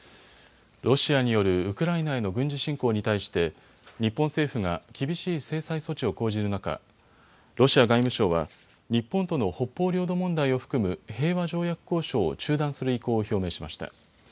ロシアによるウクライナへの軍事侵攻に対して日本政府が厳しい制裁措置を講じる中、ロシア外務省は日本との北方領土問題を含む平和条約交渉を中断する意向を表明しました。